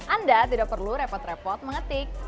anda tidak perlu repot repot mengetik